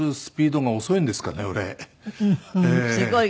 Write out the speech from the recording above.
すごい。